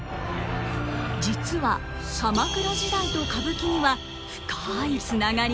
実は鎌倉時代と歌舞伎には深いつながりが。